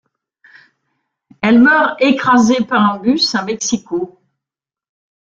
Elle meurt écrasée par un bus à Mexico.